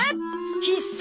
必殺！